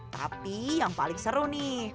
tapi yang paling seru nih